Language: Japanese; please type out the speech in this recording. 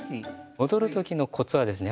戻る時のコツはですね